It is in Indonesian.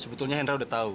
sebetulnya hendra udah tahu